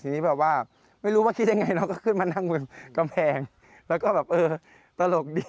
ทีนี้แบบว่าไม่รู้ว่าคิดยังไงเราก็ขึ้นมานั่งบนกำแพงแล้วก็แบบเออตลกดี